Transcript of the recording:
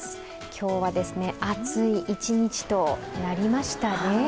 今日は暑い一日となりましたね。